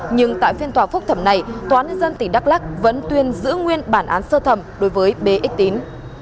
nhưng tại phiên tòa phúc thẩm này tòa nhân dân tỉnh đắk lắc vẫn tuyên giữ nguyên bản án sơ thẩm đối với bx tín